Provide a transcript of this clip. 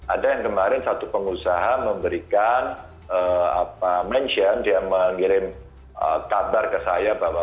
ada yang kemarin satu pengusaha memberikan mention dia mengirim kabar ke saya bahwa